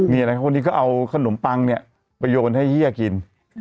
นี่ไงนะครับตรงนี้ก็เอากาหลมปังไว้โยนให้เหี้ยกิน